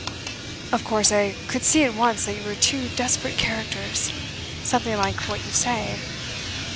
"Of course, I could see at once that you were two desperate characters something like what you say.